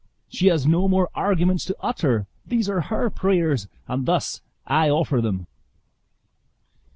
She has no more arguments to utter these are her prayers, and thus I offer them."